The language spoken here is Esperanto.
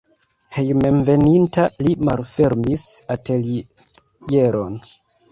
Hejmenveninta li malfermis atelieron.